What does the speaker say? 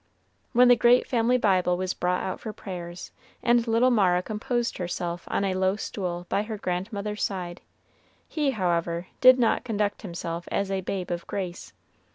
When the great family Bible was brought out for prayers, and little Mara composed herself on a low stool by her grandmother's side, he, however, did not conduct himself as a babe of grace.